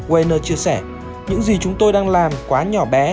wainner chia sẻ những gì chúng tôi đang làm quá nhỏ bé